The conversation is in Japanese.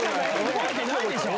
「覚えてないでしょ！」。